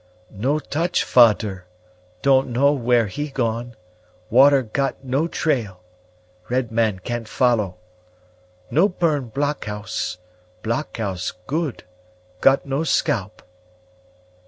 "No touch fader don't know where he gone water got no trail red man can't follow. No burn blockhouse blockhouse good; got no scalp."